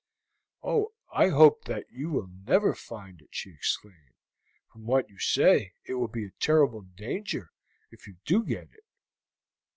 "Oh, I hope that you will never find it!" she exclaimed. "From what you say it will be a terrible danger if you do get it."